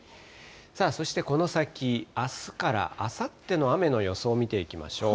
さあ、そしてこの先、あすからあさっての雨の予想を見ていきましょう。